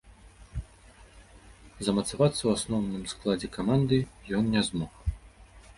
Замацавацца ў асноўным складзе каманды ён не змог.